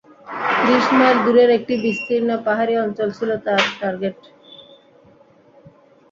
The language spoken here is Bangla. ত্রিশ মাইল দূরের একটি বিস্তীর্ণ পাহাড়ী অঞ্চল ছিল তার টার্গেট।